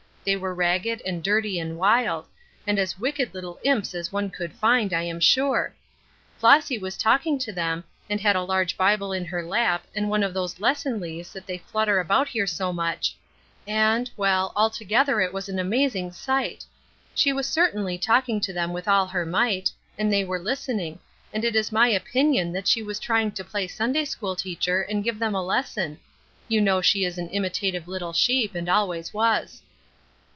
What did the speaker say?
They were ragged and dirty and wild; and as wicked little imps as one could find, I am sure. Flossy was talking to them, and she had a large Bible in her lap and one of those Lesson Leaves that they flutter about here so much; and well, altogether it was an amazing sight! She was certainly talking to them with all her might, and they were listening; and it is my opinion that she was trying to play Sunday school teacher, and give them a lesson. You know she is an imitative little sheep, and always was."